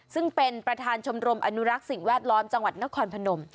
ซึ่งเป็นประธานชมรมอนุรักษ์สิ่งแวดล้อมจังหวัดนครพนม